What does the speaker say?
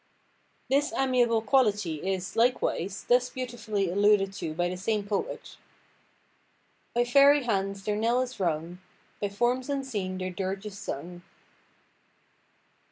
This amiable quality is, likewise, thus beautifully alluded to by the same poet:— "By fairy hands their knell is rung, By forms unseen their dirge is sung."